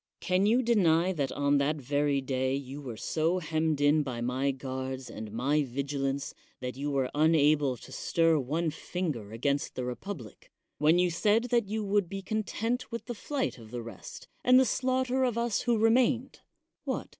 Can you deny that on that very day you were so hemmed in by my guards and n 7 »^ THE WORLD'S FAMOUS ORATIONS my vigilance that you were unable to stir one finger against the republic; when you said that you would be content with the flight of the rest, and the slaughter of us who remained? What?